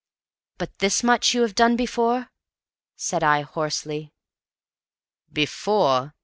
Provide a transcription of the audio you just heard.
"But this much you have done before?" said I hoarsely. "Before?